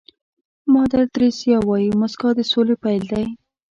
مادر تیریسا وایي موسکا د سولې پيل دی.